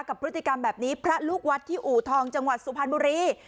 กับพฤติกรรมแบบนี้พระลูกวัดที่อูทองจังหวัดสุพรรณบุรี